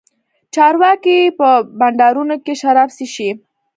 چارواکي په بنډارونو کښې شراب چښي.